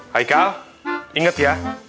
haikal inget ya